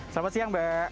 selamat siang mbak